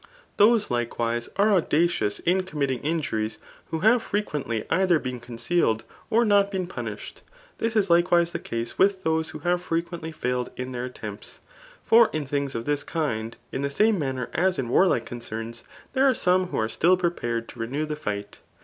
Those, likewise, [are audacioife in com mitting injuries,^ who have frequently eitho been con cealedt or not been punidied. This is likewise the case widi chose who have frequendy failed in then attempts ; for in things of this kind, in the same manner as in war like concemsi there are some who are stiU prepared to OHAP. XIK RHBTORIC* ?i renew the fight.